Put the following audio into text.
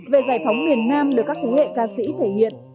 về giải phóng miền nam được các thế hệ ca sĩ thể hiện